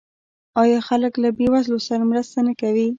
آیا خلک له بې وزلو سره مرسته نه کوي؟